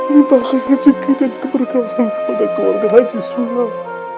limahkan rezeki dan keberkahan kepada keluarga haji sulaw